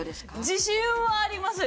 自信はありますよ。